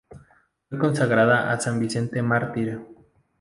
Fue consagrada a San Vicente Mártir.